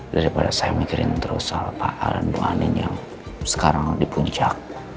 daripada saya mikirin terus soal pak alan bu andin yang sekarang di puncak